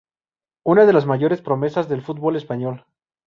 Una de las mayores promesas del fútbol español.